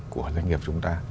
của doanh nghiệp chúng ta